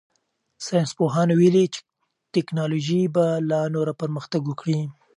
ساینس پوهانو ویلي چې تکنالوژي به لا نوره پرمختګ وکړي.